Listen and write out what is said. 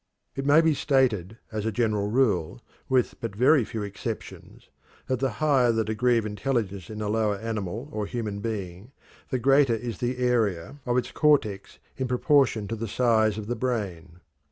It may be stated as a general rule, with but very few exceptions, that the higher the degree of intelligence in a lower animal or human being, the greater is the area of its cortex in proportion to the size of the brain.